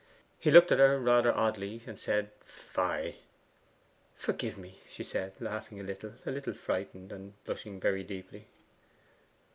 He looked at her rather oddly, and said, 'Fie!' 'Forgive me,' she said, laughing a little, a little frightened, and blushing very deeply.